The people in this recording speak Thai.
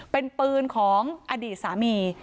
เป็นปืนของอดีตสามี